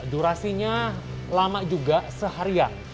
durasinya lama juga seharian